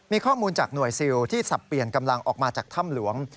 มีข้อมูลจากหน่วยซิลที่สับเปลี่ยนกำลังออกมาจากถ้ำหลวง